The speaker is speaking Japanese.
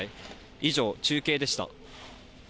以上、中継でした。